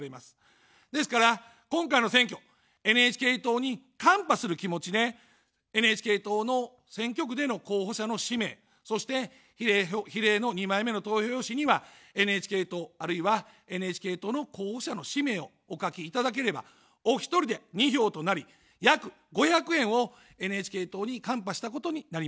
ですから、今回の選挙、ＮＨＫ党にカンパする気持ちで、ＮＨＫ党の選挙区での候補者の氏名、そして比例の２枚目の投票用紙にはＮＨＫ党、あるいはＮＨＫ党の候補者の氏名をお書きいただければ、お一人で２票となり、約５００円をＮＨＫ党にカンパしたことになります。